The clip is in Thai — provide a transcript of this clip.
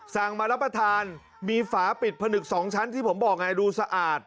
สั่งมารับประทานมีฝาปิดผนึกสองชั้นที่ผมบอกไงดูสะอาด